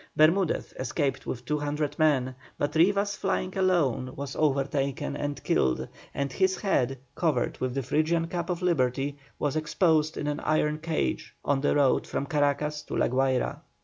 Bermudez escaped with 200 men, but Rivas flying alone, was overtaken and killed, and his head, covered with the Phrygian cap of Liberty, was exposed in an iron cage on the road from Caracas to La Guayra.